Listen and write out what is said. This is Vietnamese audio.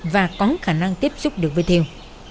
và có khả năng tiếp xúc được với thêu